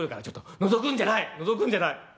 「ちょっとのぞくんじゃないのぞくんじゃない！